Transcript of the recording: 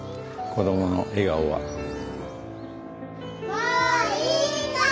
もういいかい？